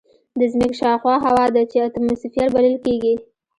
د ځمکې شاوخوا هوا ده چې اتماسفیر بلل کېږي.